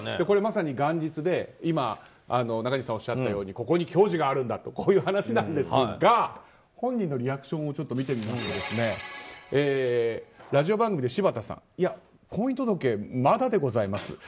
これ、まさに元日で中西さんがおっしゃったようにここに矜持があるんだとこういう話ですが本人のリアクションを見てみるとラジオ番組で、柴田さん。婚姻届、まだでございます。